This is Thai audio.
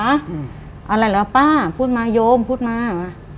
อะไรเหรอป้าพูดมาโยมพูดมา